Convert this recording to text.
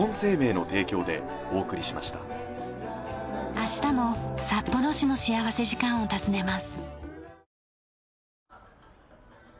明日も札幌市の幸福時間を訪ねます。